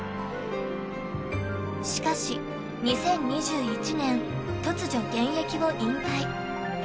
しかし２０２１年突如、現役を引退。